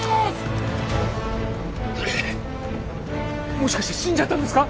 もしかして死んじゃったんですか